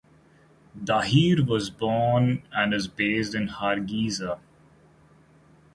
Dahir was born and is based in Hargeisa.